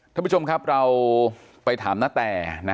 ท่านผู้ชมครับเราไปถามนาแต